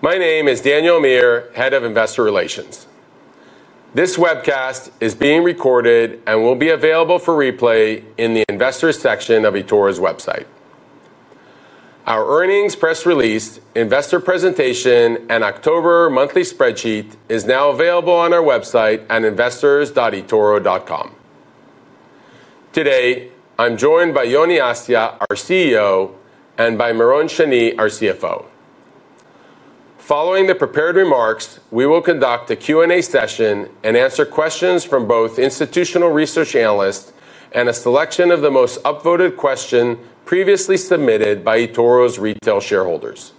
My name is Daniel Amir, Head of Investor Relations. This webcast is being recorded and will be available for replay in the Investors section of eToro's website. Our earnings press release, Investor presentation, and October monthly spreadsheet are now available on our website at investors.etoro.com. Today, I'm joined by Yoni Assia, our CEO, and by Meron Shani, our CFO. Following the prepared remarks, we will conduct a Q&A session and answer questions from both institutional research analysts and a selection of the most upvoted questions previously submitted by eToro's retail shareholders.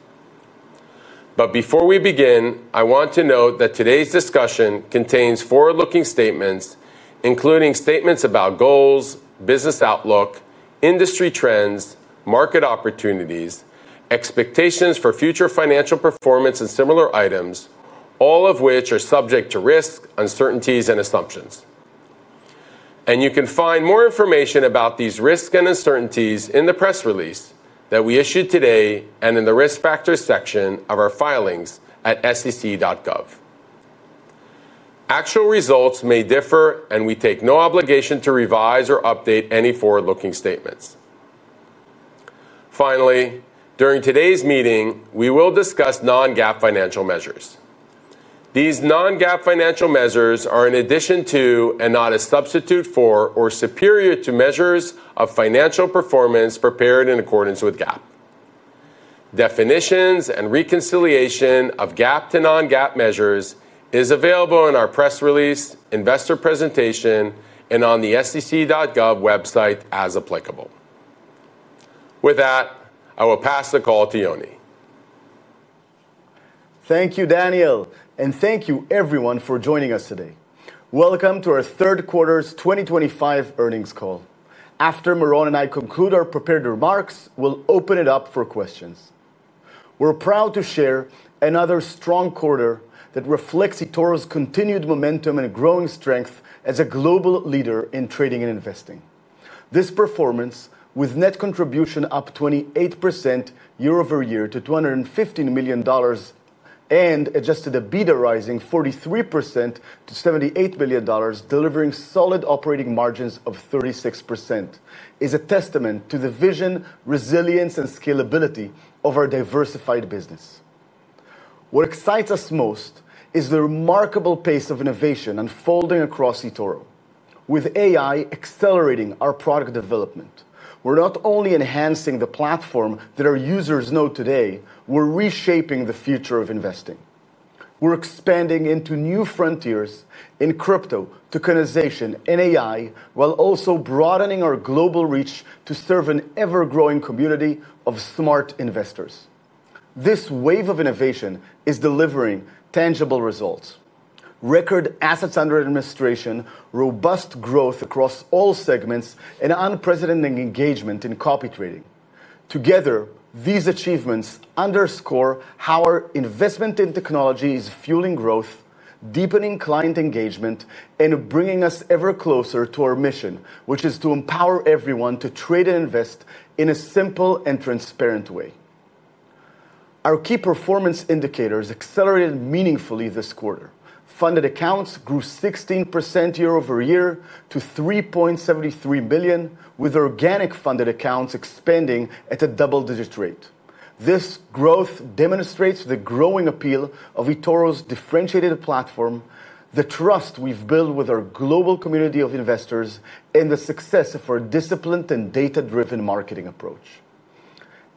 But before we begin, I want to note that today's discussion contains forward-looking statements, including statements about goals, business outlook, industry trends, market opportunities, expectations for future financial performance, and similar items, all of which are subject to risk, uncertainties, and assumptions. And you can find more information about these risks and uncertainties in the press release that we issued today and in the Risk Factors section of our filings at sec.gov. Actual results may differ, and we take no obligation to revise or update any forward-looking statements. Finally, during today's meeting, we will discuss non-GAAP financial measures. These non-GAAP financial measures are in addition to and not a substitute for or superior to measures of financial performance prepared in accordance with GAAP. Definitions and reconciliation of GAAP to non-GAAP measures are available in our press release, investor presentation, and on the sec.gov website as applicable. With that, I will pass the call to Yoni. Thank you, Daniel, and thank you, everyone, for joining us today. Welcome to our third quarter's 2025 earnings call. After Meron and I conclude our prepared remarks, we'll open it up for questions. We're proud to share another strong quarter that reflects eToro's continued momentum and growing strength as a global leader in trading and investing. This performance, with net contribution up 28% year over year to $215 million and adjusted EBITDA rising 43% to $78 million, delivering solid operating margins of 36%, is a testament to the vision, resilience, and scalability of our diversified business. What excites us most is the remarkable pace of innovation unfolding across eToro. With AI accelerating our product development, we're not only enhancing the platform that our users know today; we're reshaping the future of investing. We're expanding into new frontiers in crypto, tokenization, and AI, while also broadening our global reach to serve an ever-growing community of smart investors. This wave of innovation is delivering tangible results: record assets under administration, robust growth across all segments, and unprecedented engagement in copy trading. Together, these achievements underscore how our investment in technology is fueling growth, deepening client engagement, and bringing us ever closer to our mission, which is to empower everyone to trade and invest in a simple and transparent way. Our key performance indicators accelerated meaningfully this quarter. Funded accounts grew 16% year over year to $3.73 million, with organic funded accounts expanding at a double-digit rate. This growth demonstrates the growing appeal of eToro's differentiated platform, the trust we've built with our global community of investors, and the success of our disciplined and data-driven marketing approach.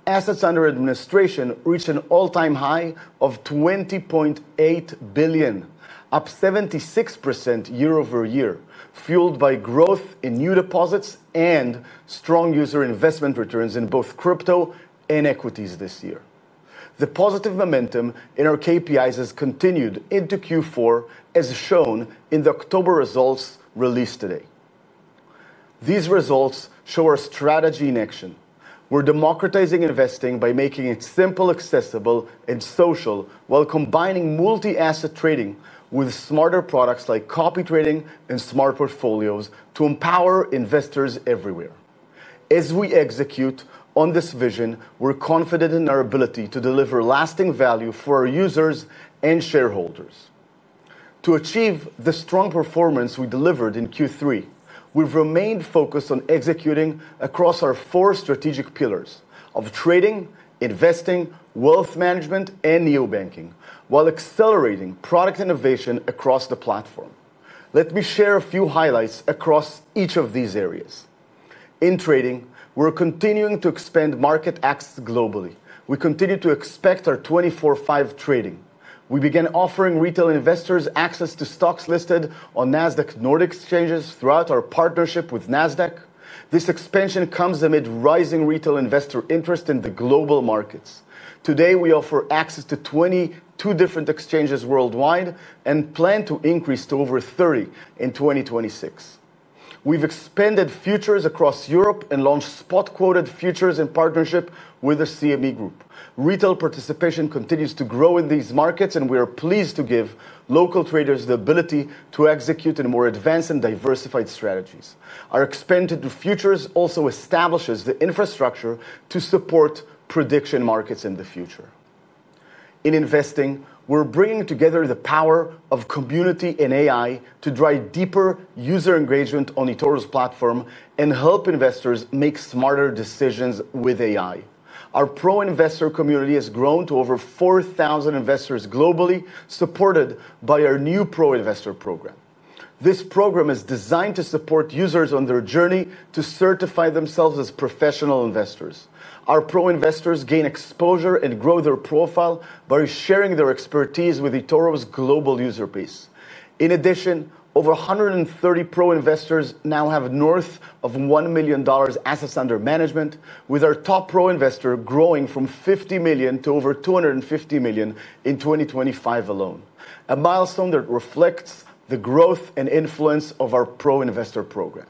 Assets under administration reached an all-time high of $20.8 billion, up 76% year over year, fueled by growth in new deposits and strong user investment returns in both crypto and equities this year. The positive momentum in our KPIs has continued into Q4, as shown in the October results released today. These results show our strategy in action. We're democratizing investing by making it simple, accessible, and social, while combining multi-asset trading with smarter products like copy trading and smart portfolios to empower investors everywhere. As we execute on this vision, we're confident in our ability to deliver lasting value for our users and shareholders. To achieve the strong performance we delivered in Q3, we've remained focused on executing across our four strategic pillars of trading, investing, wealth management, and neobanking, while accelerating product innovation across the platform. Let me share a few highlights across each of these areas. In trading, we're continuing to expand market access globally. We continue to expect our 24/5 trading. We began offering retail investors access to stocks listed on NASDAQ Nord exchanges throughout our partnership with NASDAQ. This expansion comes amid rising retail investor interest in the global markets. Today, we offer access to 22 different exchanges worldwide and plan to increase to over 30 in 2026. We've expanded futures across Europe and launched spot-quoted futures in partnership with the CME Group. Retail participation continues to grow in these markets, and we are pleased to give local traders the ability to execute in more advanced and diversified strategies. Our expanded futures also establish the infrastructure to support prediction markets in the future. In investing, we're bringing together the power of community and AI to drive deeper user engagement on eToro's platform and help investors make smarter decisions with AI. Our Pro Investor community has grown to over 4,000 investors globally, supported by our new Pro Investor program. This program is designed to support users on their journey to certify themselves as professional investors. Our Pro Investors gain exposure and grow their profile by sharing their expertise with eToro's global user base. In addition, over 130 Pro Investors now have north of $1 million assets under management, with our top Pro Investor growing from $50 million to over $250 million in 2025 alone, a milestone that reflects the growth and influence of our Pro Investor program.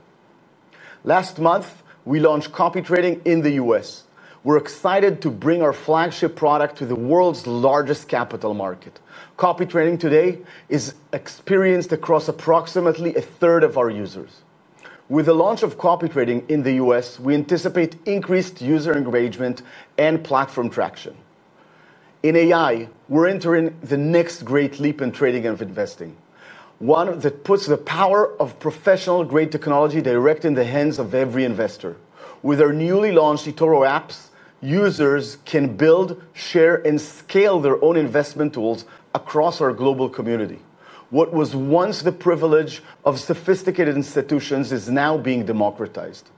Last month, we launched copy trading in the U.S. We're excited to bring our flagship product to the world's largest capital market. Copy trading today is experienced across approximately a third of our users. With the launch of copy trading in the U.S., we anticipate increased user engagement and platform traction. In AI, we're entering the next great leap in trading and investing, one that puts the power of professional-grade technology directly in the hands of every investor. With our newly launched eToro apps, users can build, share, and scale their own investment tools across our global community. What was once the privilege of sophisticated institutions is now being democratized.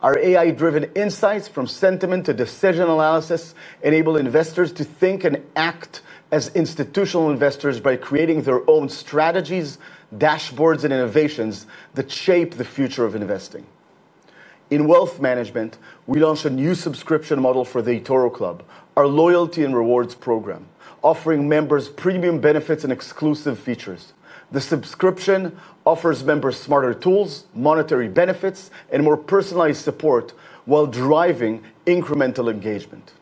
Our AI-driven insights, from sentiment to decision analysis, enable investors to think and act as institutional investors by creating their own strategies, dashboards, and innovations that shape the future of investing. In wealth management, we launched a new subscription model for the eToro Club, our loyalty and rewards program, offering members premium benefits and exclusive features. The subscription offers members smarter tools, monetary benefits, and more personalized support while driving incremental engagement.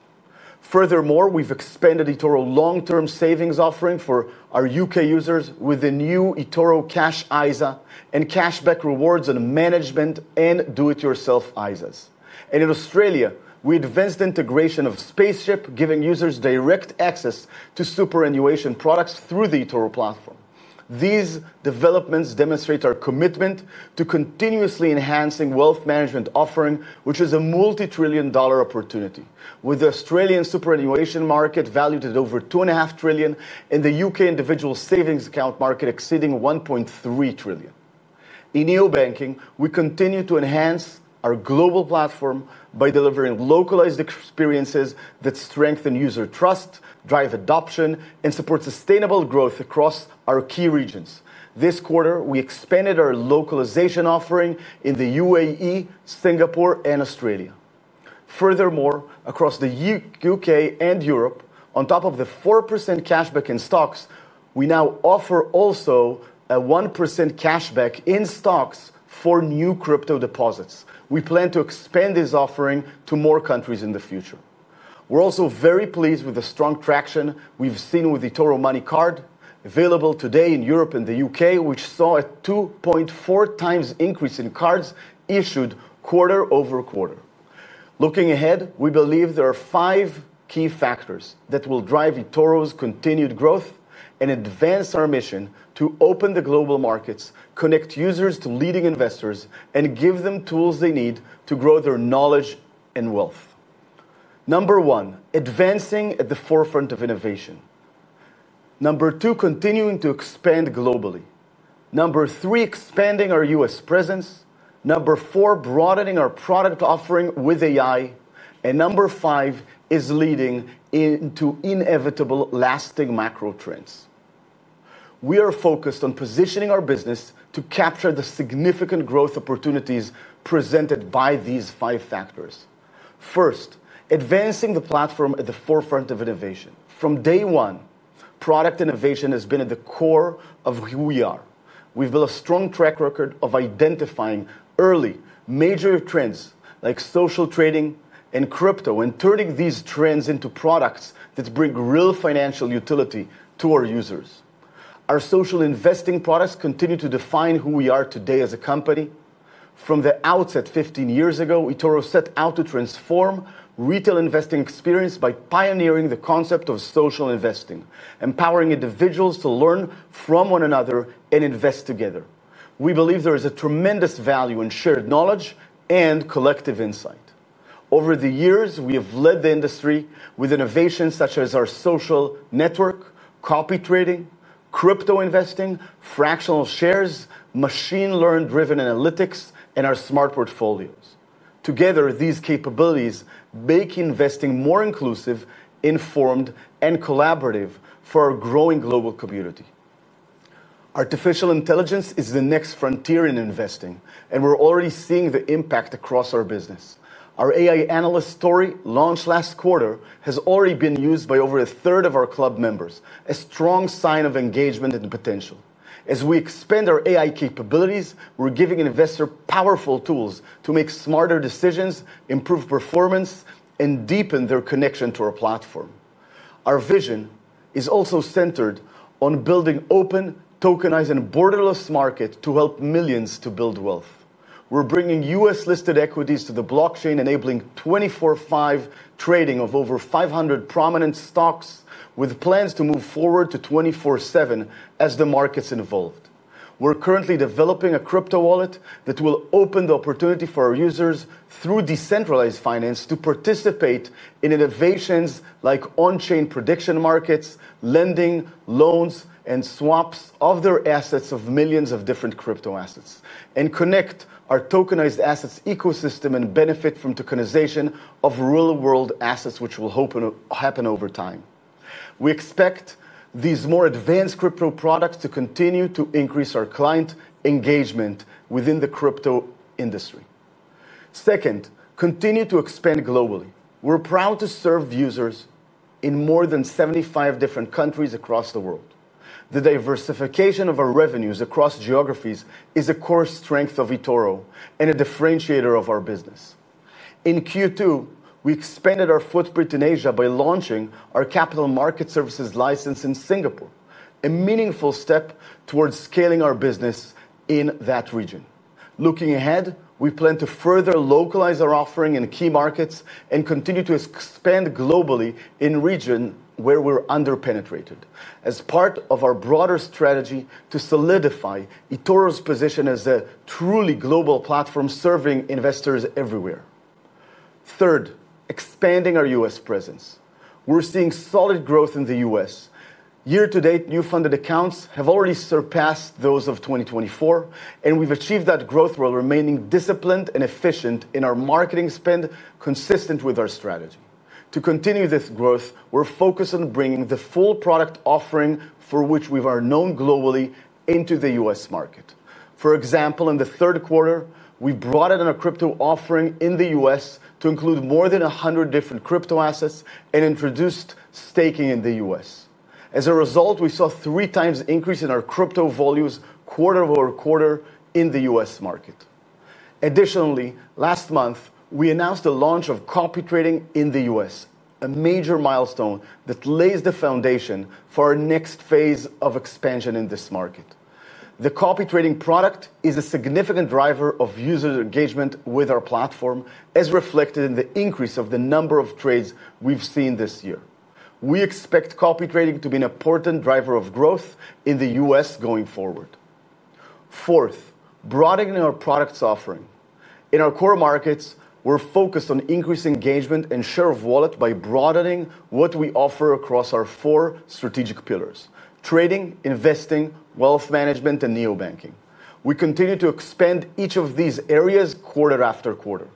Furthermore, we've expanded eToro's long-term savings offering for our U.K. users with the new eToro Cash ISA and cashback rewards on management and do-it-yourself ISAs. And in Australia, we advanced the integration of Spaceship, giving users direct access to superannuation products through the eToro platform. These developments demonstrate our commitment to continuously enhancing wealth management offering, which is a multi-trillion dollar opportunity, with the Australian superannuation market valued at over $2.5 trillion and the UK individual savings account market exceeding $1.3 trillion. In neobanking, we continue to enhance our global platform by delivering localized experiences that strengthen user trust, drive adoption, and support sustainable growth across our key regions. This quarter, we expanded our localization offering in the UAE, Singapore, and Australia. Furthermore, across the U.K. and Europe, on top of the 4% cashback in stocks, we now offer also a 1% cashback in stocks for new crypto deposits. We plan to expand this offering to more countries in the future. We're also very pleased with the strong traction we've seen with the eToro Money Card, available today in Europe and the U.K., which saw a 2.4 times increase in cards issued quarter over quarter. Looking ahead, we believe there are five key factors that will drive eToro's continued growth and advance our mission to open the global markets, connect users to leading investors, and give them tools they need to grow their knowledge and wealth. Number one, advancing at the forefront of innovation. Number two, continuing to expand globally. Number three, expanding our U.S. presence. Number four, broadening our product offering with AI. And number five is leading into inevitable lasting macro trends. We are focused on positioning our business to capture the significant growth opportunities presented by these five factors. First, advancing the platform at the forefront of innovation. From day one, product innovation has been at the core of who we are. We've built a strong track record of identifying early major trends like social trading and crypto and turning these trends into products that bring real financial utility to our users. Our social investing products continue to define who we are today as a company. From the outset 15 years ago, eToro set out to transform the retail investing experience by pioneering the concept of social investing, empowering individuals to learn from one another and invest together. We believe there is a tremendous value in shared knowledge and collective insight. Over the years, we have led the industry with innovations such as our social network, copy trading, crypto investing, fractional shares, machine-learned driven analytics, and our smart portfolios. Together, these capabilities make investing more inclusive, informed, and collaborative for our growing global community. Artificial intelligence is the next frontier in investing, and we're already seeing the impact across our business. Our AI analyst story, launched last quarter, has already been used by over a third of our club members, a strong sign of engagement and potential. As we expand our AI capabilities, we're giving investors powerful tools to make smarter decisions, improve performance, and deepen their connection to our platform. Our vision is also centered on building an open, tokenized, and borderless market to help millions to build wealth. We're bringing U.S. listed equities to the blockchain, enabling 24/5 trading of over 500 prominent stocks, with plans to move forward to 24/7 as the markets evolve. We're currently developing a crypto wallet that will open the opportunity for our users through decentralized finance to participate in innovations like on-chain prediction markets, lending, loans, and swaps of their assets of millions of different crypto assets, and connect our tokenized assets ecosystem and benefit from tokenization of real-world assets, which will happen over time. We expect these more advanced crypto products to continue to increase our client engagement within the crypto industry. Second, continue to expand globally. We're proud to serve users in more than 75 different countries across the world. The diversification of our revenues across geographies is a core strength of eToro and a differentiator of our business. In Q2, we expanded our footprint in Asia by launching our capital market services license in Singapore, a meaningful step towards scaling our business in that region. Looking ahead, we plan to further localize our offering in key markets and continue to expand globally in regions where we're under-penetrated as part of our broader strategy to solidify eToro's position as a truly global platform serving investors everywhere. Third, expanding our U.S. presence. We're seeing solid growth in the U.S. Year-to-date, new funded accounts have already surpassed those of 2024, and we've achieved that growth while remaining disciplined and efficient in our marketing spend, consistent with our strategy. To continue this growth, we're focused on bringing the full product offering for which we are known globally into the US market. For example, in the third quarter, we broadened our crypto offering in the U.S. to include more than 100 different crypto assets and introduced staking in the U.S. As a result, we saw a three-times increase in our crypto volumes quarter over quarter in the US market. Additionally, last month, we announced the launch of copy trading in the US, a major milestone that lays the foundation for our next phase of expansion in this market. The copy trading product is a significant driver of user engagement with our platform, as reflected in the increase of the number of trades we've seen this year. We expect copy trading to be an important driver of growth in the U.S. going forward. Fourth, broadening our product offering. In our core markets, we're focused on increasing engagement and share of wallet by broadening what we offer across our four strategic pillars: trading, investing, wealth management, and neobanking. We continue to expand each of these areas quarter after quarter.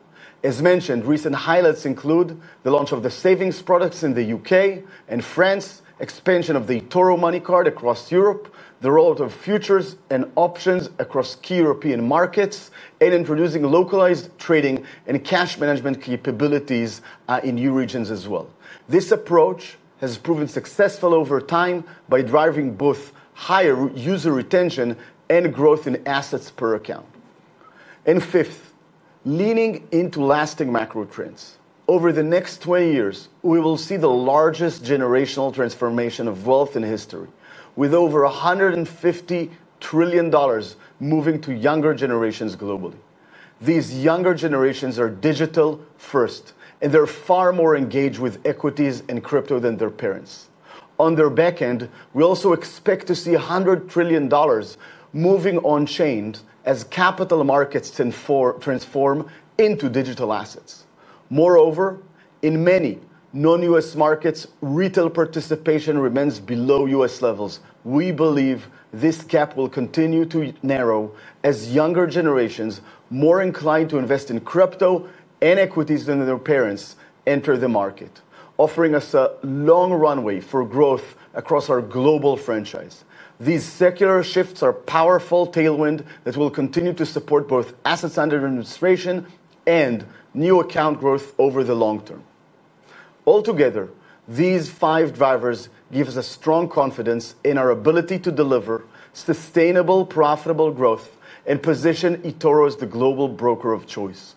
As mentioned, recent highlights include the launch of the savings products in the U.K. and France, expansion of the eToro Money Card across Europe, the role of futures and options across key European markets, and introducing localized trading and cash management capabilities in new regions as well. This approach has proven successful over time by driving both higher user retention and growth in assets per account. And fifth, leaning into lasting macro trends. Over the next 20 years, we will see the largest generational transformation of wealth in history, with over $150 trillion moving to younger generations globally. These younger generations are digital-first, and they're far more engaged with equities and crypto than their parents. On their back end, we also expect to see $100 trillion moving on-chain as capital markets transform into digital assets. Moreover, in many non-US markets, retail participation remains below U.S. levels. We believe this gap will continue to narrow as younger generations are more inclined to invest in crypto and equities than their parents enter the market, offering us a long runway for growth across our global franchise. These secular shifts are a powerful tailwind that will continue to support both assets under administration and new account growth over the long term. Altogether, these five drivers give us a strong confidence in our ability to deliver sustainable, profitable growth and position eToro as the global broker of choice.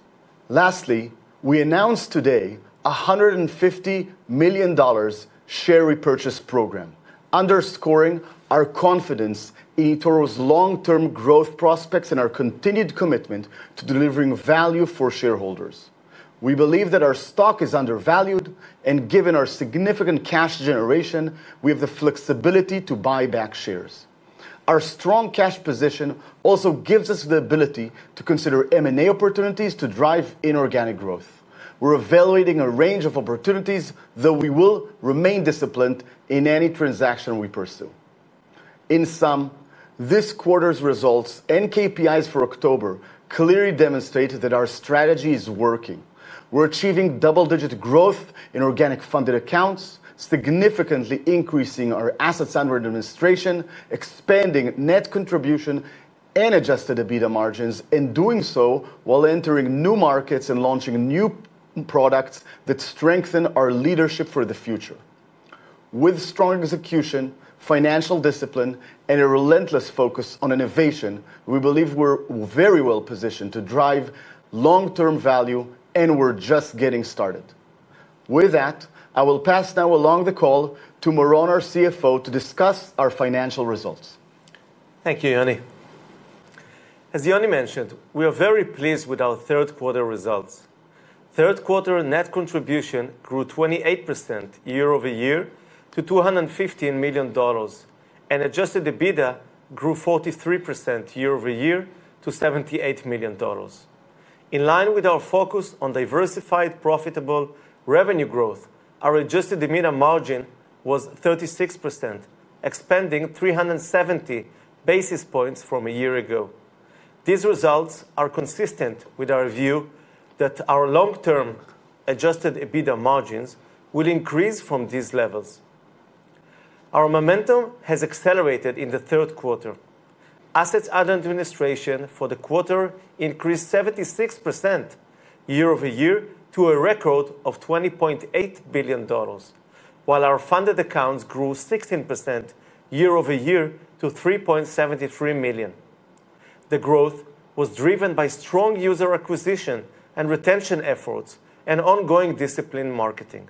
Lastly, we announced today a $150 million share repurchase program, underscoring our confidence in eToro's long-term growth prospects and our continued commitment to delivering value for shareholders. We believe that our stock is undervalued, and given our significant cash generation, we have the flexibility to buy back shares. Our strong cash position also gives us the ability to consider M&A opportunities to drive inorganic growth. We're evaluating a range of opportunities, though we will remain disciplined in any transaction we pursue. In sum, this quarter's results and KPIs for October clearly demonstrate that our strategy is working. We're achieving double-digit growth in organic funded accounts, significantly increasing our assets under administration, expanding net contribution, and adjusted EBITDA margins, and doing so while entering new markets and launching new products that strengthen our leadership for the future. With strong execution, financial discipline, and a relentless focus on innovation, we believe we're very well positioned to drive long-term value, and we're just getting started. With that, I will pass now along the call to Meron, our CFO, to discuss our financial results. Thank you, Yoni. As Yoni mentioned, we are very pleased with our third-quarter results. Third-quarter net contribution grew 28% year over year to $215 million, and adjusted EBITDA grew 43% year over year to $78 million. In line with our focus on diversified, profitable revenue growth, our adjusted EBITDA margin was 36%, expanding 370 basis points from a year ago. These results are consistent with our view that our long-term adjusted EBITDA margins will increase from these levels. Our momentum has accelerated in the third quarter. Assets under administration for the quarter increased 76% year over year to a record of $20.8 billion, while our funded accounts grew 16% year over year to $3.73 million. The growth was driven by strong user acquisition and retention efforts and ongoing disciplined marketing.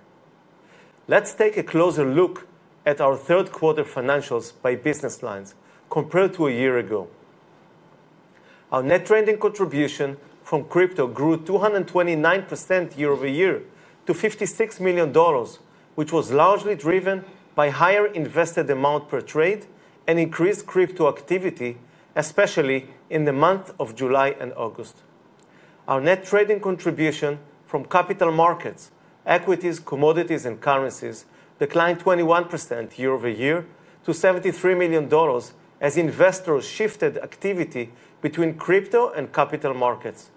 Let's take a closer look at our third-quarter financials by business lines compared to a year ago. Our net trading contribution from crypto grew 229% year over year to $56 million, which was largely driven by higher invested amount per trade and increased crypto activity, especially in the month of July and August. Our net trading contribution from capital markets, equities, commodities, and currencies declined 21% year over year to $73 million as investors shifted activity between crypto and capital markets.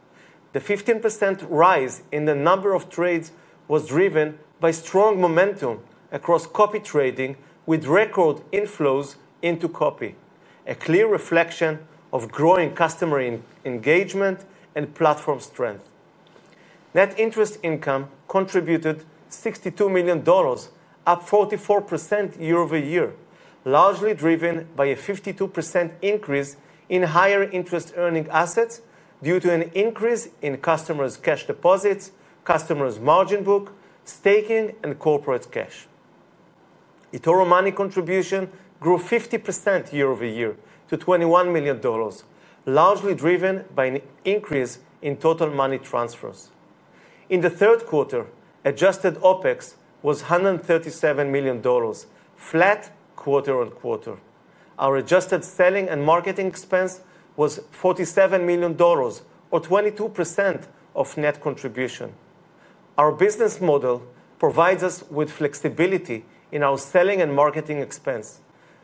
The 15% rise in the number of trades was driven by strong momentum across copy trading with record inflows into copy, a clear reflection of growing customer engagement and platform strength. Net interest income contributed $62 million, up 44% year over year, largely driven by a 52% increase in higher interest-earning assets due to an increase in customers' cash deposits, customers' margin book, staking, and corporate cash. eToro Money contribution grew 50% year over year to $21 million, largely driven by an increase in total money transfers. In the third quarter, adjusted OPEX was $137 million, flat quarter on quarter. Our adjusted selling and marketing expense was $47 million, or 22% of net contribution. Our business model provides us with flexibility in our selling and marketing expense,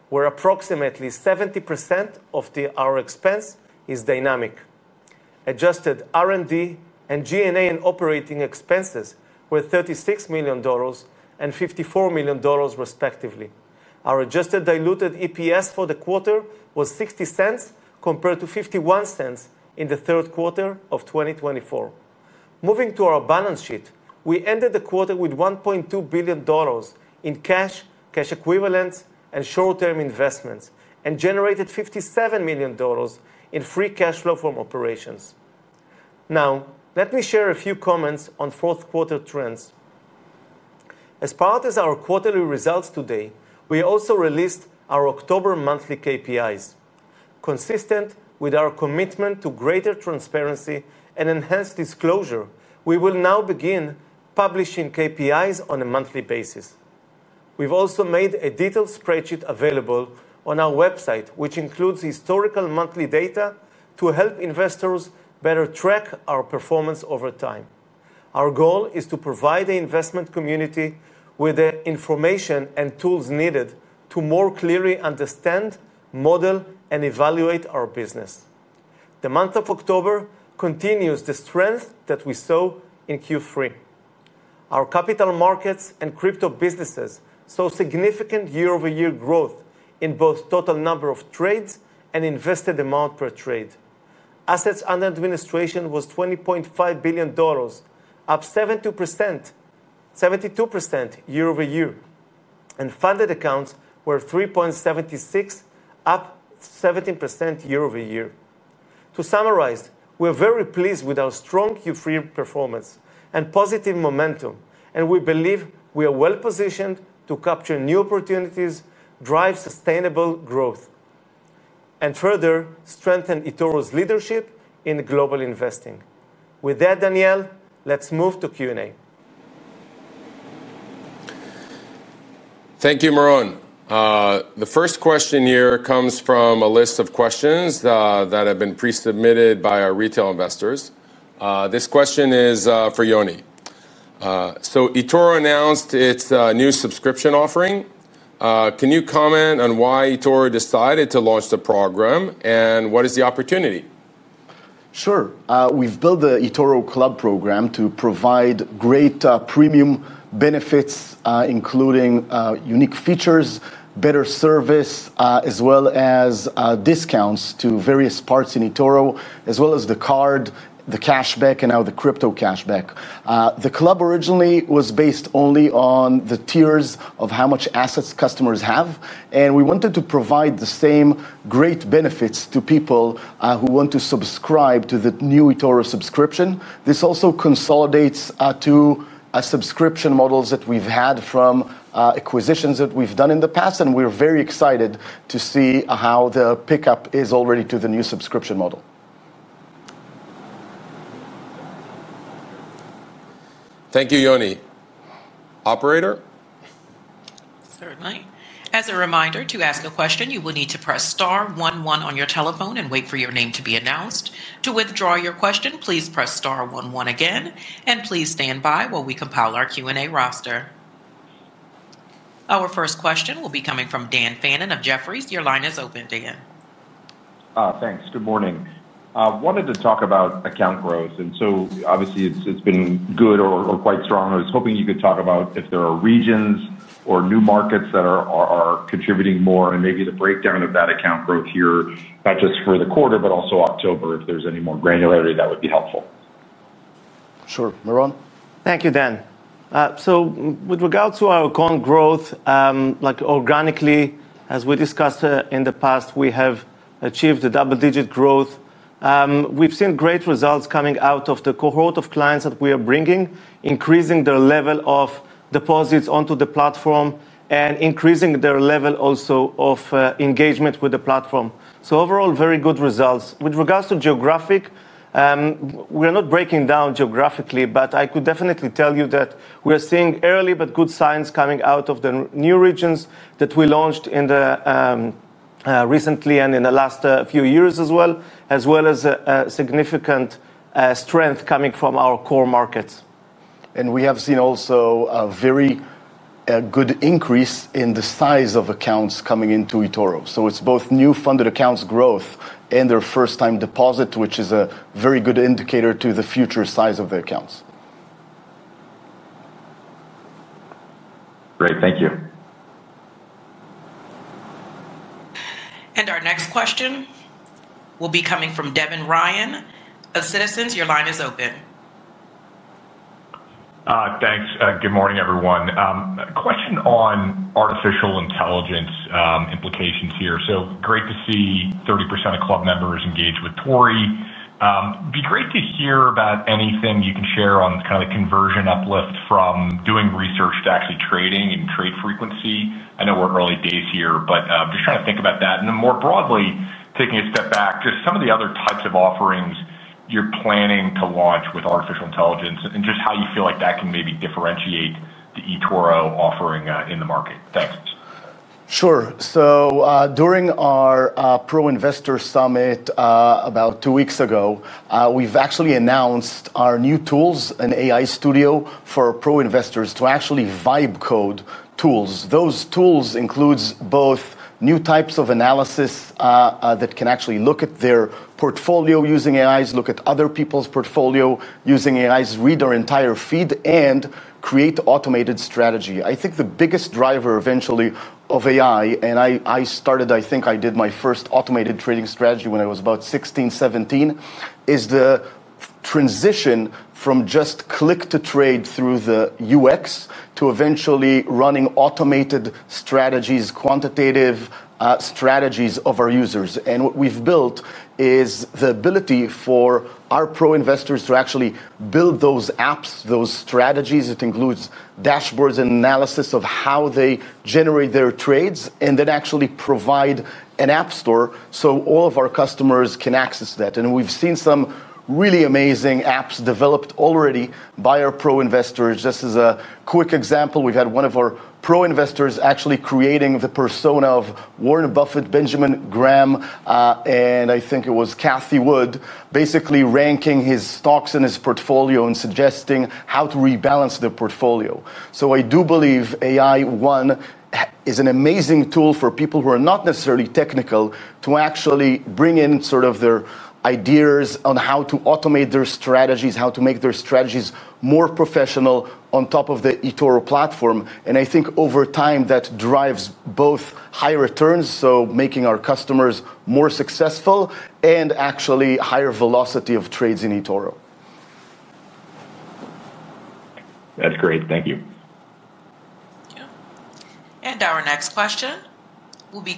where approximately 70% of our expense is dynamic. Adjusted R&D and G&A and operating expenses were $36 million and $54 million, respectively. Our adjusted diluted EPS for the quarter was $0.60 compared to $0.51 in the third quarter of 2024. Moving to our balance sheet, we ended the quarter with $1.2 billion in cash, cash equivalents, and short-term investments, and generated $57 million in free cash flow from operations. Now, let me share a few comments on fourth-quarter trends. As part of our quarterly results today, we also released our October monthly KPIs. Consistent with our commitment to greater transparency and enhanced disclosure, we will now begin publishing KPIs on a monthly basis. We've also made a detailed spreadsheet available on our website, which includes historical monthly data to help investors better track our performance over time. Our goal is to provide the investment community with the information and tools needed to more clearly understand, model, and evaluate our business. The month of October continues the strength that we saw in Q3. Our capital markets and crypto businesses saw significant year-over-year growth in both total number of trades and invested amount per trade. Assets under administration was $20.5 billion, up 72% year over year, and funded accounts were $3.76, up 17% year over year. To summarize, we are very pleased with our strong Q3 performance and positive momentum, and we believe we are well positioned to capture new opportunities, drive sustainable growth, and further strengthen eToro's leadership in global investing. With that, Daniel, let's move to Q&A. Thank you, Meron. The first question here comes from a list of questions that have been pre-submitted by our retail investors. This question is for Yoni. So, eToro announced its new subscription offering. Can you comment on why eToro decided to launch the program and what is the opportunity? Sure. We've built the eToro Club program to provide great premium benefits, including unique features, better service, as well as discounts to various parts in eToro, as well as the card, the cashback, and now the crypto cashback. The Club originally was based only on the tiers of how much assets customers have, and we wanted to provide the same great benefits to people who want to subscribe to the new eToro subscription. This also consolidates to subscription models that we've had from acquisitions that we've done in the past, and we're very excited to see how the pickup is already to the new subscription model. Thank you, Yoni. Operator? Certainly. As a reminder, to ask a question, you will need to press Star 11 on your telephone and wait for your name to be announced. To withdraw your question, please press Star 11 again, and please stand by while we compile our Q&A roster. First question will be coming from Dan Fannon of Jefferies. Your line is open, Dan. Thanks. Good morning. I wanted to talk about account growth. And so, obviously, it's been good or quite strong. I was hoping you could talk about if there are regions or new markets that are contributing more and maybe the breakdown of that account growth here, not just for the quarter, but also October, if there's any more granularity that would be helpful. Sure. Meron. Thank you, Dan. So, with regard to our account growth, organically, as we discussed in the past, we have achieved a double-digit growth. We've seen great results coming out of the cohort of clients that we are bringing, increasing their level of deposits onto the platform and increasing their level also of engagement with the platform. So, overall, very good results. With regards to geographic, we are not breaking down geographically, but I could definitely tell you that we are seeing early but good signs coming out of the new regions that we launched recently and in the last few years as well, as well as significant strength coming from our core markets. And we have seen also a very good increase in the size of accounts coming into eToro. So, it's both new funded accounts growth and their first-time deposit, which is a very good indicator to the future size of the accounts. Great. Thank you. And our next question will be coming from Devin Ryan. Citizens, your line is open. Thanks. Good morning, everyone. Question on artificial intelligence implications here. So, great to see 30% of Club members engage with eToro. It'd be great to hear about anything you can share on kind of the conversion uplift from doing research to actually trading and trade frequency. I know we're early days here, but I'm just trying to think about that. And then more broadly, taking a step back, just some of the other types of offerings you're planning to launch with artificial intelligence and just how you feel like that can maybe differentiate the eToro offering in the market. Thanks. Sure. So, during our Pro Investor Summit about two weeks ago, we've actually announced our new tools, an AI studio for Pro Investors to actually vibe code tools. Those tools include both new types of analysis that can actually look at their portfolio using AIs, look at other people's portfolio using AIs, read their entire feed, and create automated strategy. I think the biggest driver eventually of AI, and I started, I think I did my first automated trading strategy when I was about 16, 17, is the transition from just click-to-trade through the UX to eventually running automated strategies, quantitative strategies of our users. And what we've built is the ability for our Pro Investors to actually build those apps, those strategies. It includes dashboards and analysis of how they generate their trades and then actually provide an app store so all of our customers can access that. And we've seen some really amazing apps developed already by our Pro Investors. Just as a quick example, we've had one of our Pro Investors actually creating the persona of Warren Buffett, Benjamin Graham, and I think it was Cathie Wood, basically ranking his stocks in his portfolio and suggesting how to rebalance their portfolio. So, I do believe AI, one, is an amazing tool for people who are not necessarily technical to actually bring in sort of their ideas on how to automate their strategies, how to make their strategies more professional on top of the eToro platform. And I think over time that drives both higher returns, so making our customers more successful, and actually higher velocity of trades in eToro. That's great. Thank you. And our next question will be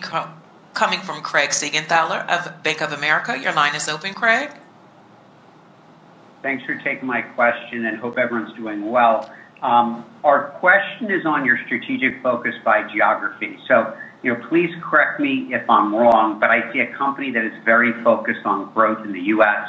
coming from Craig Siegenthaler of Bank of America. Your line is open, Craig. Thanks for taking my question and hope everyone's doing well. Our question is on your strategic focus by geography. So, please correct me if I'm wrong, but I see a company that is very focused on growth in the U.S.,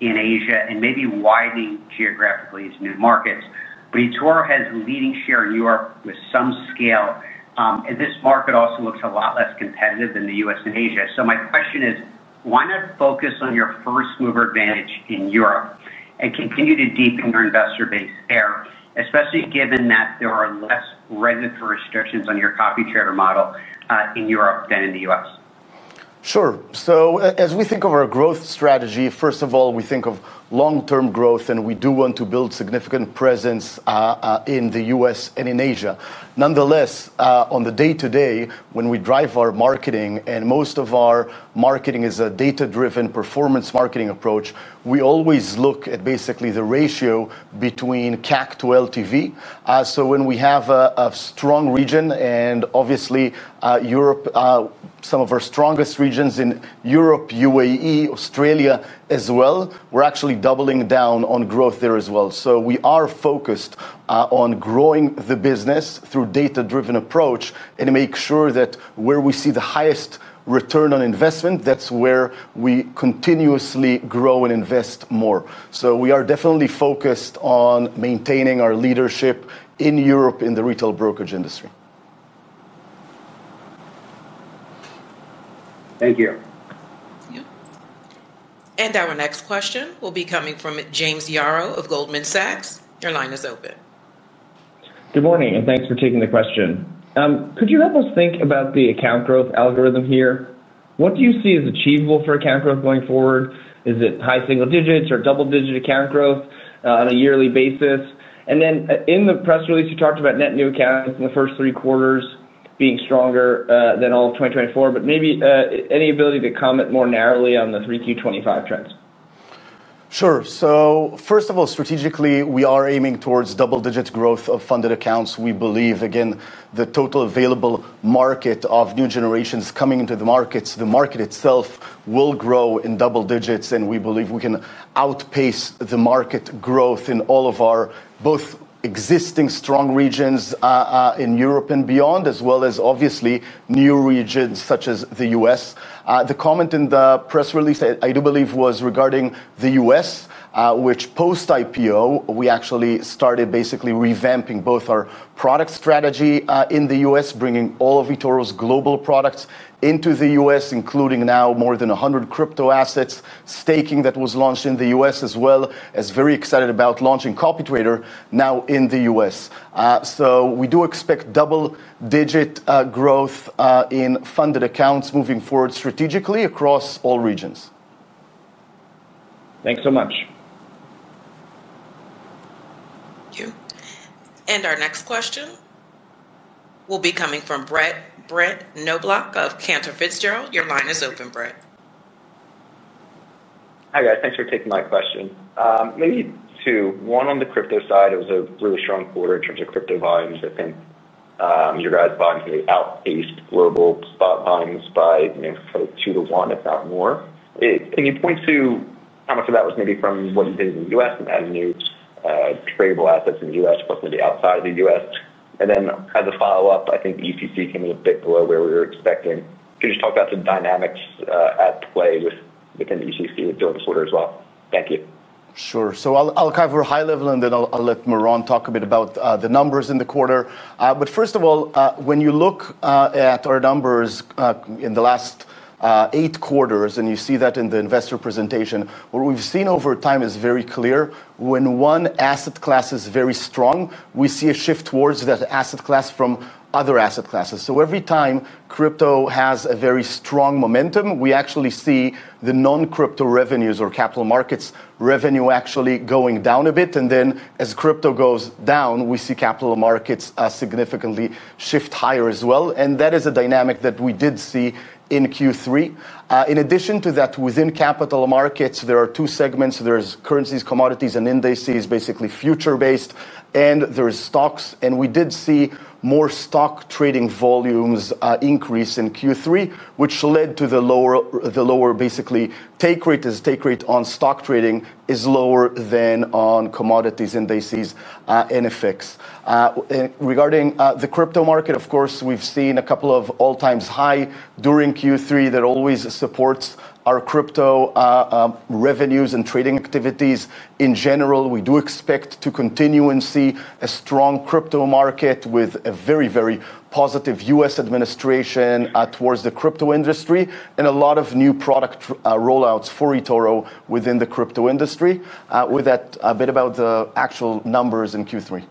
in Asia, and maybe widening geographically as new markets. But eToro has a leading share in Europe with some scale, and this market also looks a lot less competitive than the U.S. and Asia. So, my question is, why not focus on your first mover advantage in Europe and continue to deepen your investor base there, especially given that there are less regulatory restrictions on your copy trader model in Europe than in the U.S.? Sure. So, as we think of our growth strategy, first of all, we think of long-term growth, and we do want to build significant presence in the U.S. and in Asia. Nonetheless, on the day-to-day, when we drive our marketing and most of our marketing is a data-driven performance marketing approach, we always look at basically the ratio between CAC to LTV. So, when we have a strong region, and obviously Europe, some of our strongest regions in Europe, UAE, Australia as well, we're actually doubling down on growth there as well. So, we are focused on growing the business through a data-driven approach and make sure that where we see the highest return on investment, that's where we continuously grow and invest more. So, we are definitely focused on maintaining our leadership in Europe in the retail brokerage industry. Thank you. And our next question will be coming from James Yaro of Goldman Sachs. Your line is open. Good morning, and thanks for taking the question. Could you help us think about the account growth algorithm here? What do you see as achievable for account growth going forward? Is it high single digits or double-digit account growth on a yearly basis? And then in the press release, you talked about net new accounts in the first three quarters being stronger than all of 2024, but maybe any ability to comment more narrowly on the 3Q25 trends? Sure. So, first of all, strategically, we are aiming towards double-digit growth of funded accounts. We believe, again, the total available market of new generations coming into the markets, the market itself will grow in double digits, and we believe we can outpace the market growth in all of our both existing strong regions in Europe and beyond, as well as obviously new regions such as the U.S. The comment in the press release, I do believe, was regarding the U.S., which post-IPO, we actually started basically revamping both our product strategy in the U.S., bringing all of eToro's global products into the U.S., including now more than 100 crypto assets, staking that was launched in the U.S. as well, as very excited about launching copy trader now in the U.S. So, we do expect double-digit growth in funded accounts moving forward strategically across all regions. Thanks so much. And our next question will be coming from Brett Knoblauch of Cantor Fitzgerald. Your line is open, Brett. Hi, guys. Thanks for taking my question. Maybe two. One, on the crypto side, it was a really strong quarter in terms of crypto volumes. I think your guys' volumes may outpace global spot volumes by sort of two to one, if not more. Can you point to how much of that was maybe from what you did in the U.S. and adding new tradable assets in the U.S., plus maybe outside of the U.S.? And then as a follow-up, I think ECC came in a bit below where we were expecting. Could you just talk about the dynamics at play within ECC during this quarter as well? Thank you. Sure. So, I'll cover high level and then I'll let Meron talk a bit about the numbers in the quarter. But first of all, when you look at our numbers in the last eight quarters and you see that in the investor presentation, what we've seen over time is very clear. When one asset class is very strong, we see a shift towards that asset class from other asset classes. So, every time crypto has a very strong momentum, we actually see the non-crypto revenues or capital markets revenue actually going down a bit. And then as crypto goes down, we see capital markets significantly shift higher as well. And that is a dynamic that we did see in Q3. In addition to that, within capital markets, there are two segments. There's currencies, commodities, and indices, basically future-based, and there's stocks. And we did see more stock trading volumes increase in Q3, which led to the lower basically take rate as take rate on stock trading is lower than on commodities, indices, and effects. Regarding the crypto market, of course, we've seen a couple of all-time highs during Q3 that always supports our crypto revenues and trading activities in general. We do expect to continue and see a strong crypto market with a very, very positive U.S. administration towards the crypto industry and a lot of new product rollouts for eToro within the crypto industry. With that, a bit about the actual numbers in Q3.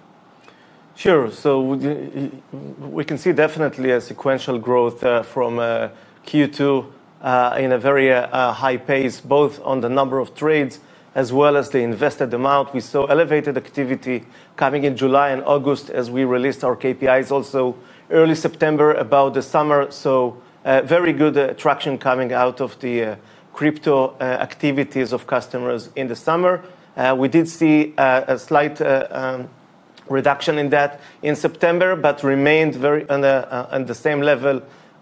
Sure. So, we can see definitely a sequential growth from Q2 in a very high pace, both on the number of trades as well as the invested amount. We saw elevated activity coming in July and August as we released our KPIs also early September about the summer. So, very good traction coming out of the crypto activities of customers in the summer. We did see a slight reduction in that in September, but remained very on the same level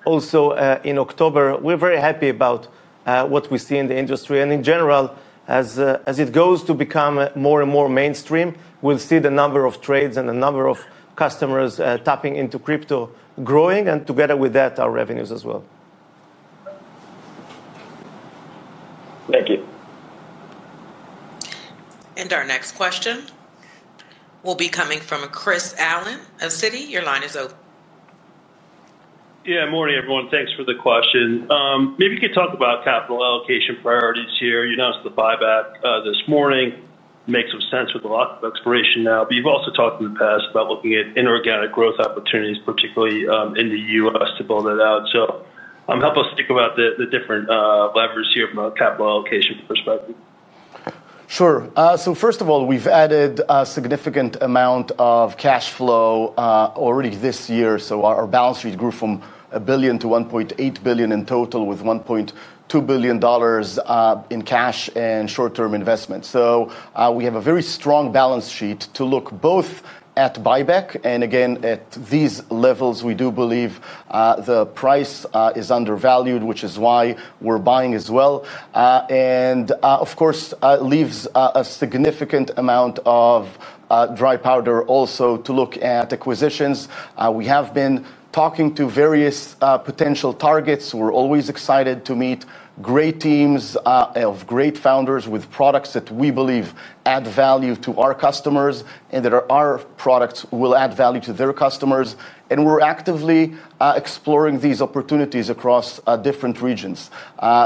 also in October. We're very happy about what we see in the industry. And in general, as it goes to become more and more mainstream, we'll see the number of trades and the number of customers tapping into crypto growing. And together with that, our revenues as well. Thank you. And our next question will be coming from Chris Allen of CITI. Your line is open. Yeah, morning, everyone. Thanks for the question. Maybe you could talk about capital allocation priorities here. You announced the buyback this morning. Makes some sense with a lot of expiration now. But you've also talked in the past about looking at inorganic growth opportunities, particularly in the U.S., to build that out. So, help us think about the different levers here from a capital allocation perspective. Sure. So, first of all, we've added a significant amount of cash flow already this year. So, our balance sheet grew from a billion to 1.8 billion in total, with $1.2 billion in cash and short-term investments. So, we have a very strong balance sheet to look both at buyback and, again, at these levels. We do believe the price is undervalued, which is why we're buying as well. And, of course, it leaves a significant amount of dry powder also to look at acquisitions. We have been talking to various potential targets. We're always excited to meet great teams of great founders with products that we believe add value to our customers and that our products will add value to their customers. And we're actively exploring these opportunities across different regions.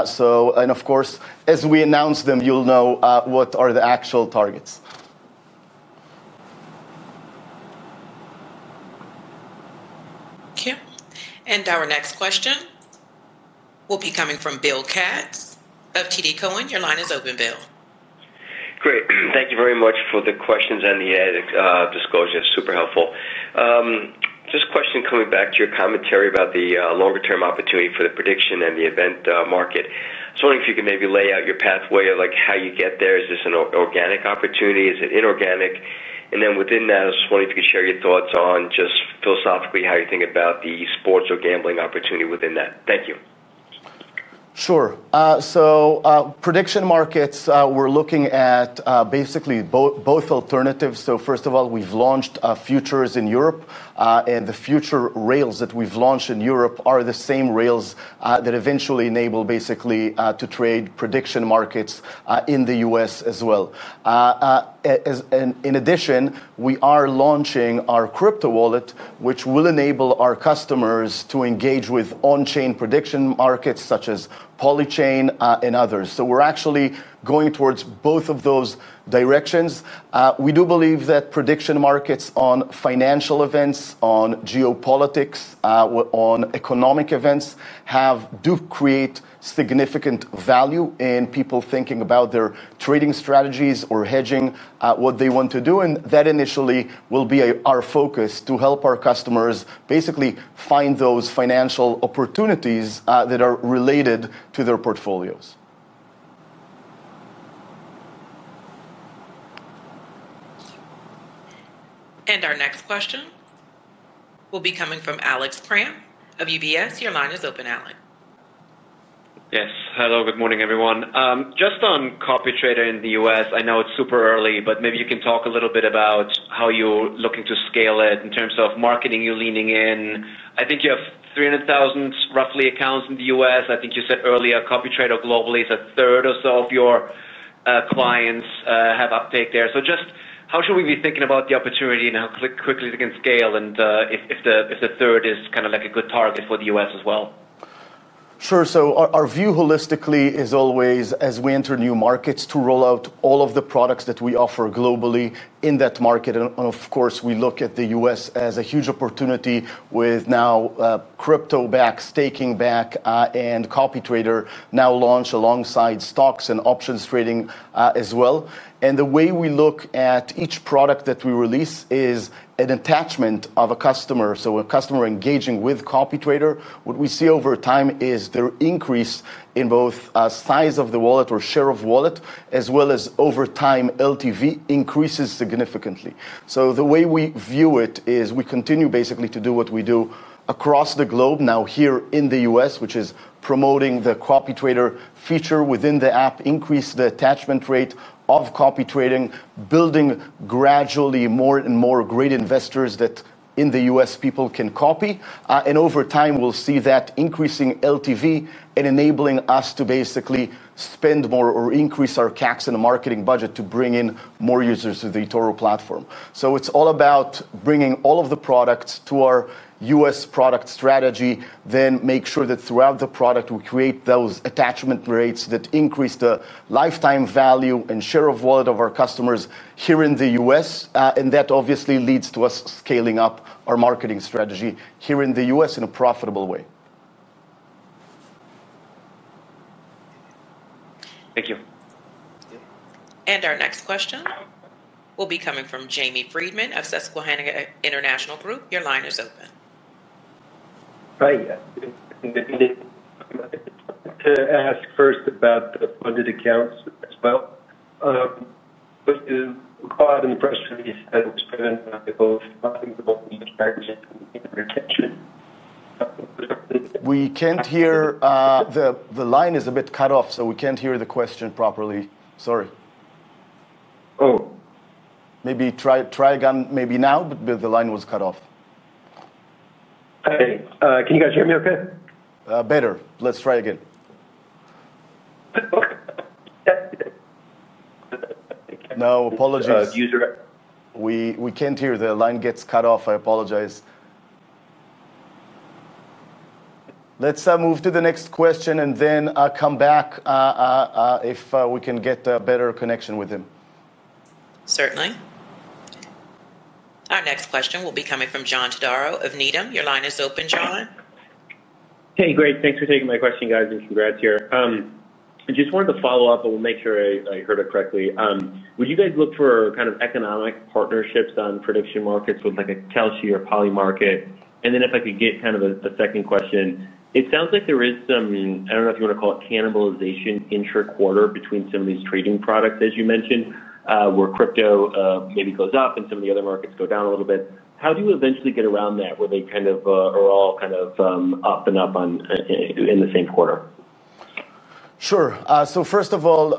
So, and of course, as we announce them, you'll know what are the actual targets. Thank you. And our next question will be coming from Bill Katz of TD Cohen.Your line is open, Bill. Great. Thank you very much for the questions and the disclosure. Super helpful. Just a question coming back to your commentary about the longer-term opportunity for the prediction and the event market. I was wondering if you could maybe lay out your pathway of how you get there. Is this an organic opportunity? Is it inorganic? And then within that, I just wanted you to share your thoughts on just philosophically how you think about the sports or gambling opportunity within that. Thank you. Sure. So, prediction markets, we're looking at basically both alternatives. So, first of all, we've launched futures in Europe, and the future rails that we've launched in Europe are the same rails that eventually enable basically to trade prediction markets in the U.S. as well. In addition, we are launching our crypto wallet, which will enable our customers to engage with on-chain prediction markets such as Polychain and others. So, we're actually going towards both of those directions. We do believe that prediction markets on financial events, on geopolitics, on economic events do create significant value in people thinking about their trading strategies or hedging what they want to do. And that initially will be our focus to help our customers basically find those financial opportunities that are related to their portfolios. And our next question will be coming from Alex Kramm of UBS. Your line is open, Alex. Yes. Hello, good morning, everyone. Just on copy trader in the U.S., I know it's super early, but maybe you can talk a little bit about how you're looking to scale it in terms of marketing you're leaning in. I think you have 300,000 roughly accounts in the U.S. I think you said earlier copy trader globally is a third or so of your clients have uptake there. So, just how should we be thinking about the opportunity and how quickly it can scale and if the third is kind of like a good target for the U.S. as well? Sure. So, our view holistically is always, as we enter new markets, to roll out all of the products that we offer globally in that market. And of course, we look at the U.S. as a huge opportunity with now crypto back, staking back, and copy trader now launched alongside stocks and options trading as well. And the way we look at each product that we release is an attachment of a customer. So, a customer engaging with copy trader, what we see over time is their increase in both size of the wallet or share of wallet, as well as over time, LTV increases significantly. So, the way we view it is we continue basically to do what we do across the globe now here in the U.S., which is promoting the copy trader feature within the app, increase the attachment rate of copy trading, building gradually more and more great investors that in the U.S. people can copy. And over time, we'll see that increasing LTV and enabling us to basically spend more or increase our CACs and marketing budget to bring in more users to the eToro platform. So, it's all about bringing all of the products to our U.S. product strategy, then make sure that throughout the product we create those attachment rates that increase the lifetime value and share of wallet of our customers here in the U.S. And that obviously leads to us scaling up our marketing strategy here in the U.S. in a profitable way. Thank you. And our next question will be coming from Jamie Friedman of Susquehana International Group. Your line is open. Hi. I'd like to ask first about the funded accounts as well. Could you call out in the press release that was driven by both funding and retention? We can't hear the line is a bit cut off, so we can't hear the question properly. Sorry. Oh. Maybe try again maybe now, but the line was cut off. Okay. Can you guys hear me okay? Better. Let's try again. No, apologies. We can't hear the line gets cut off. I apologize. Let's move to the next question and then come back if we can get a better connection with him. Certainly. Our next question will be coming from John Todaro of Needham. Your line is open, John. Hey, great. Thanks for taking my question, guys, and congrats here. I just wanted to follow up, but we'll make sure I heard it correctly. Would you guys look for kind of economic partnerships on prediction markets with like a Kelsey or Poly market? And then if I could get kind of a second question. It sounds like there is some, I don't know if you want to call it cannibalization intra-quarter between some of these trading products, as you mentioned, where crypto maybe goes up and some of the other markets go down a little bit. How do you eventually get around that where they kind of are all kind of up and up in the same quarter? Sure. So, first of all,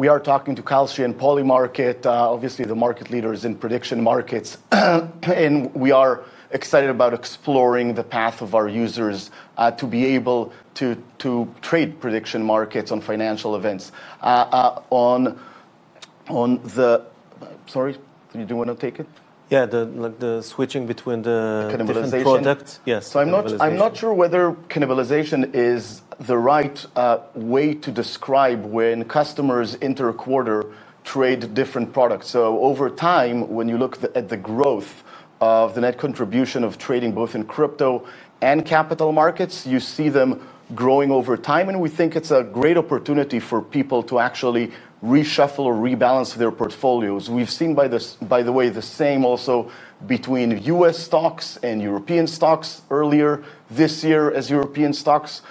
we are talking to Kelsey and Poly market. Obviously, the market leader is in prediction markets, and we are excited about exploring the path of our users to be able to trade prediction markets on financial events on the sorry, did you want to take it? Yeah, the switching between the different products. Yes. So, I'm not sure whether cannibalization is the right way to describe when customers intra-quarter trade different products. So, over time, when you look at the growth of the net contribution of trading both in crypto and capital markets, you see them growing over time. And we think it's a great opportunity for people to actually reshuffle or rebalance their portfolios. We've seen, by the way, the same also between U.S. stocks and European stocks earlier this year as European stocks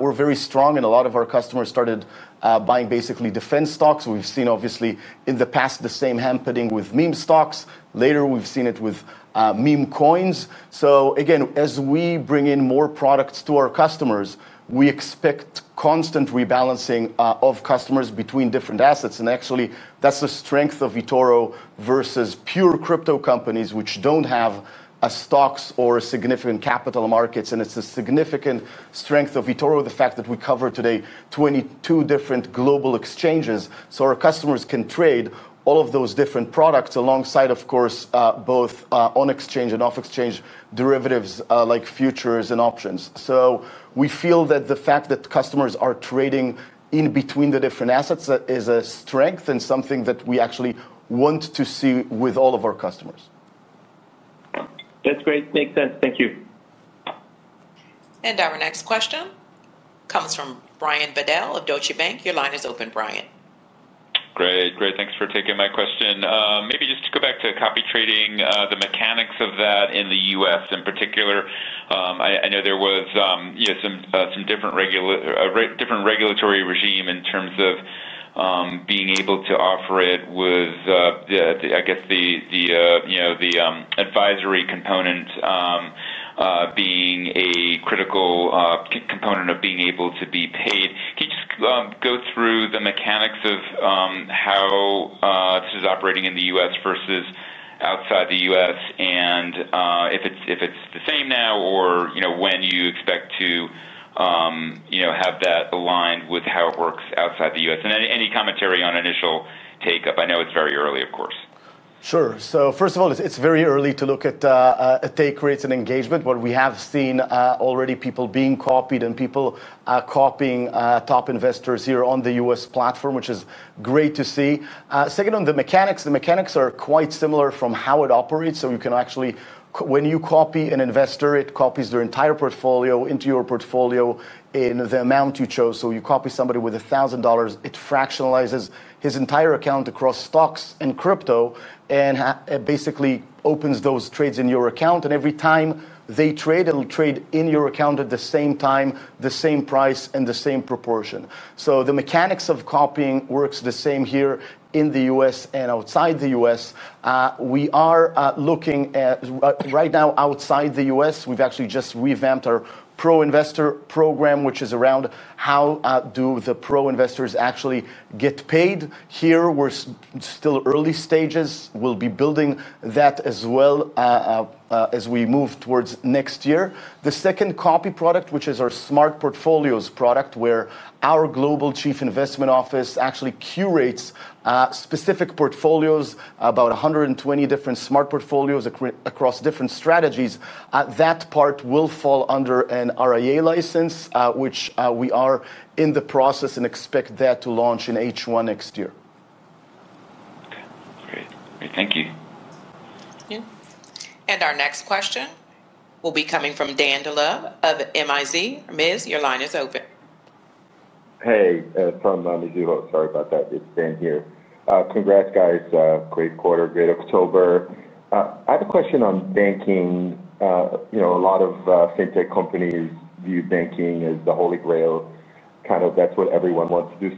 were very strong and a lot of our customers started buying basically defense stocks. We've seen, obviously, in the past the same happening with meme stocks. Later, we've seen it with meme coins. So, again, as we bring in more products to our customers, we expect constant rebalancing of customers between different assets. And actually, that's the strength of eToro versus pure crypto companies which don't have stocks or significant capital markets. And it's a significant strength of eToro, the fact that we cover today 22 different global exchanges. So, our customers can trade all of those different products alongside, of course, both on-exchange and off-exchange derivatives like futures and options. So, we feel that the fact that customers are trading in between the different assets is a strength and something that we actually want to see with all of our customers. That's great. Makes sense. Thank you. And our next question comes from Brian Bedell of Deutsche Bank. Your line is open, Brian. Great. Thanks for taking my question. Maybe just to go back to copy trading, the mechanics of that in the U.S. in particular, I know there was some different regulatory regime in terms of being able to offer it with, I guess, the advisory component being a critical component of being able to be paid. Can you just go through the mechanics of how this is operating in the U.S. versus outside the U.S. and if it's the same now or when you expect to have that aligned with how it works outside the U.S.? And any commentary on initial take-up? I know it's very early, of course. Sure. So, first of all, it's very early to look at take rates and engagement. What we have seen already, people being copied and people copying top investors here on the U.S. platform, which is great to see. Second, on the mechanics, the mechanics are quite similar from how it operates. So, you can actually, when you copy an investor, it copies their entire portfolio into your portfolio in the amount you chose. So, you copy somebody with $1,000, it fractionalizes his entire account across stocks and crypto and basically opens those trades in your account. And every time they trade, it'll trade in your account at the same time, the same price, and the same proportion. So, the mechanics of copying works the same here in the U.S. and outside the U.S. We are looking at right now outside the U.S., we've actually just revamped our Pro Investor program, which is around how do the pro investors actually get paid. Here, we're still early stages. We'll be building that as well as we move towards next year. The second copy product, which is our smart portfolios product, where our global chief investment office actually curates specific portfolios, about 120 different smart portfolios across different strategies, that part will fall under an RIA license, which we are in the process and expect that to launch in H1 next year. Okay. Great. Thank you. Thank you. And our next question will be coming from Dandelove of MIZ. Miz, your line is open. Hey, from MIZ. Sorry about that. It's Dan here. Congrats, guys. Great quarter, great October. I have a question on banking. A lot of fintech companies view banking as the holy grail. Kind of that's what everyone wants to do.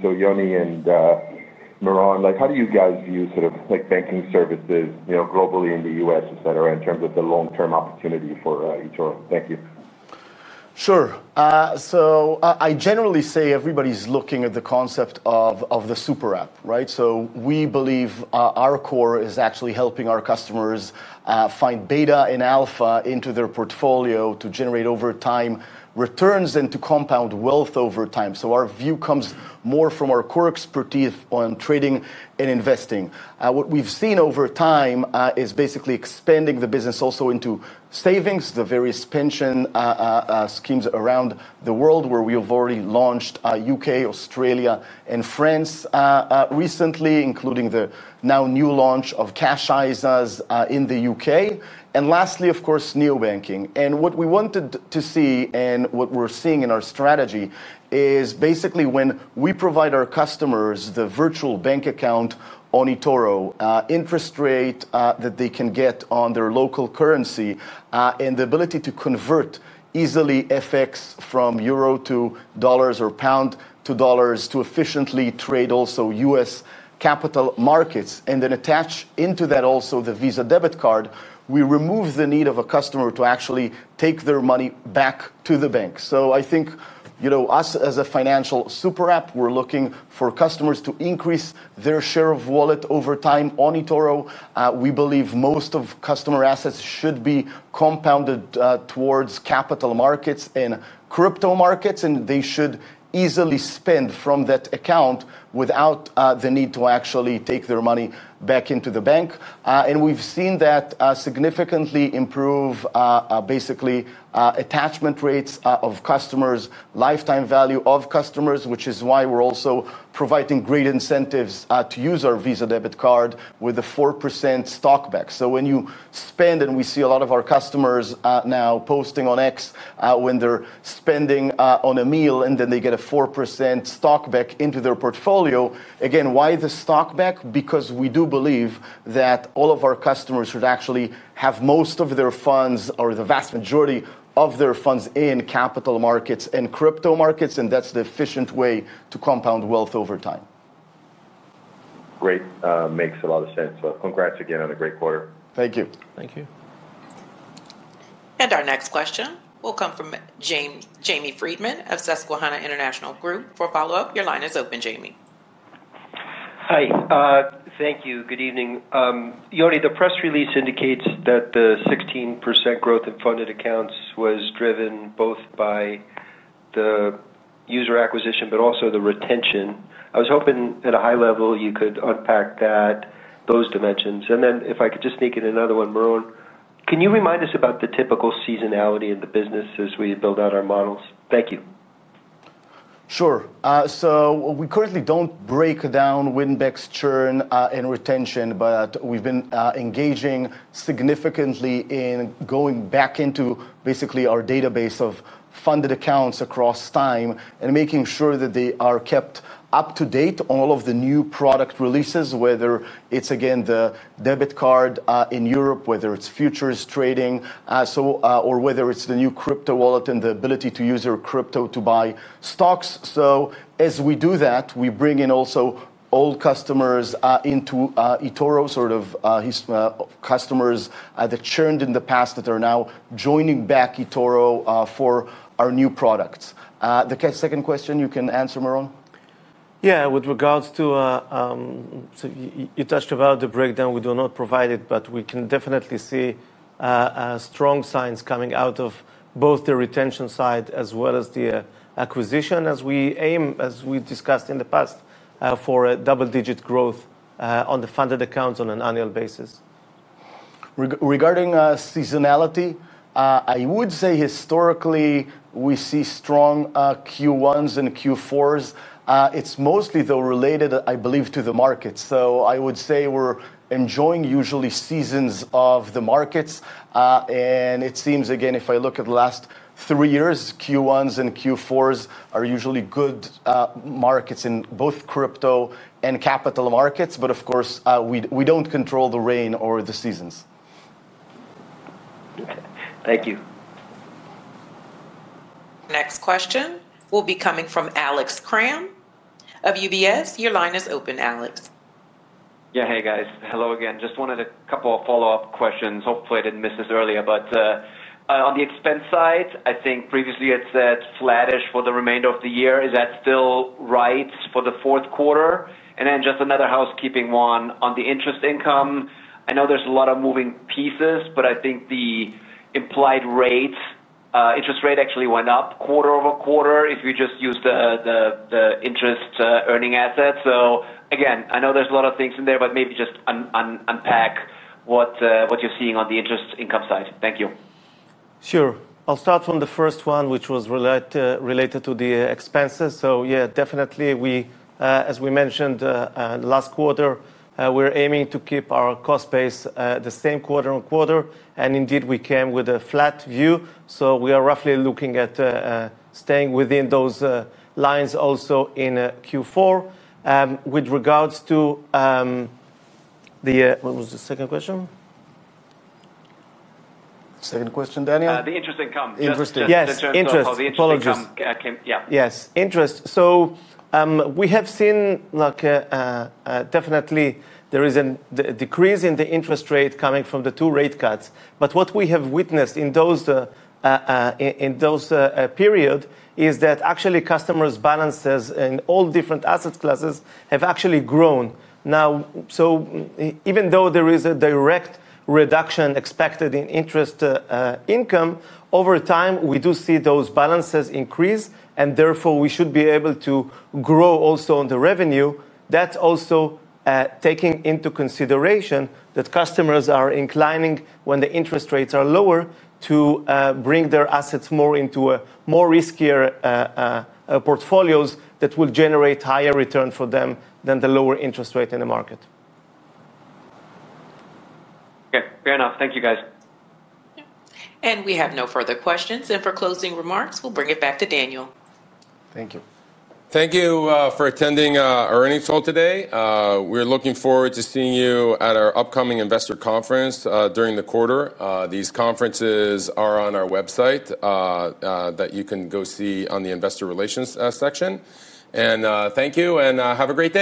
So, Yoni and Meron, how do you guys view sort of banking services globally in the U.S., etc., in terms of the long-term opportunity for eToro? Thank you. Sure. So, I generally say everybody's looking at the concept of the super app, right? So, we believe our core is actually helping our customers find beta and alpha into their portfolio to generate over time returns and to compound wealth over time. So, our view comes more from our core expertise on trading and investing. What we've seen over time is basically expanding the business also into savings, the various pension schemes around the world where we have already launched U.K., Australia, and France recently, including the now new launch of Cashizers in the U.K. And lastly, of course, neobanking. And what we wanted to see and what we're seeing in our strategy is basically when we provide our customers the virtual bank account on eToro, interest rate that they can get on their local currency, and the ability to convert easily FX from euro to dollars or pound to dollars to efficiently trade also U.S. capital markets. And then attach into that also the Visa debit card, we remove the need of a customer to actually take their money back to the bank. So, I think us as a financial super app, we're looking for customers to increase their share of wallet over time on eToro. We believe most of customer assets should be compounded towards capital markets and crypto markets, and they should easily spend from that account without the need to actually take their money back into the bank. And we've seen that significantly improve basically attachment rates of customers, lifetime value of customers, which is why we're also providing great incentives to use our Visa debit card with a 4% stock back. So, when you spend, and we see a lot of our customers now posting on X when they're spending on a meal and then they get a 4% stock back into their portfolio. Again, why the stock back? Because we do believe that all of our customers should actually have most of their funds or the vast majority of their funds in capital markets and crypto markets, and that's the efficient way to compound wealth over time. Great. Makes a lot of sense. So, congrats again on a great quarter. Thank you. Thank you. And our next question will come from Jamie Friedman of Susquehana International Group for follow-up. Your line is open, Jamie. Hi. Thank you. Good evening. Yoni, the press release indicates that the 16% growth in funded accounts was driven both by the user acquisition but also the retention. I was hoping at a high level you could unpack those dimensions. And then if I could just sneak in another one, Meron, can you remind us about the typical seasonality in the business as we build out our models? Thank you. Sure. So, we currently don't break down win-back churn and retention, but we've been engaging significantly in going back into basically our database of funded accounts across time and making sure that they are kept up to date on all of the new product releases, whether it's, again, the debit card in Europe, whether it's futures trading, or whether it's the new crypto wallet and the ability to use your crypto to buy stocks. So, as we do that, we bring in also old customers into eToro, sort of customers that churned in the past that are now joining back eToro for our new products. The second question, you can answer, Meron? Yeah. With regards to, so you touched about the breakdown. We do not provide it, but we can definitely see strong signs coming out of both the retention side as well as the acquisition, as we aim, as we discussed in the past, for a double-digit growth on the funded accounts on an annual basis. Regarding seasonality, I would say historically we see strong Q1s and Q4s. It's mostly, though, related, I believe, to the markets. So, I would say we're enjoying usually seasons of the markets. And it seems, again, if I look at the last three years, Q1s and Q4s are usually good markets in both crypto and capital markets. But, of course, we don't control the rain or the seasons. Thank you. Next question will be coming from Alex Kramm of UBS. Your line is open, Alex. Yeah. Hey, guys. Hello again. Just wanted a couple of follow-up questions. Hopefully, I didn't miss this earlier. But on the expense side, I think previously it said flattish for the remainder of the year. Is that still right for the fourth quarter? And then just another housekeeping one on the interest income. I know there's a lot of moving pieces, but I think the implied rate, interest rate actually went up quarter over quarter if you just use the interest earning assets. So, again, I know there's a lot of things in there, but maybe just unpack what you're seeing on the interest income side. Thank you. Sure. I'll start from the first one, which was related to the expenses. So, yeah, definitely, as we mentioned last quarter, we're aiming to keep our cost base the same quarter on quarter. And indeed, we came with a flat view. So, we are roughly looking at staying within those lines also in Q4. With regards to the, what was the second question? Second question, Daniel? The interest income. Interest. Yes. Interest. Apologies. Yeah. Yes. Interest. So, we have seen definitely there is a decrease in the interest rate coming from the two rate cuts. But what we have witnessed in those periods is that actually customers' balances in all different asset classes have actually grown. Now, so even though there is a direct reduction expected in interest income, over time we do see those balances increase, and therefore we should be able to grow also on the revenue. That's also taking into consideration that customers are inclining, when the interest rates are lower, to bring their assets more into more riskier portfolios that will generate higher return for them than the lower interest rate in the market. Okay. Fair enough. Thank you, guys. And we have no further questions. And for closing remarks, we'll bring it back to Daniel. Thank you. Thank you for attending our earnings call today. We're looking forward to seeing you at our upcoming investor conference during the quarter. These conferences are on our website that you can go see on the investor relations section. And thank you, and have a great day.